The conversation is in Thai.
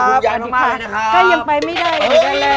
ขอบคุณคุณยายมากเลยนะครับก็ยังไปไม่ได้อีกแล้ว